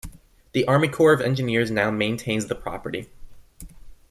The Army Corps of Engineers now maintains the property.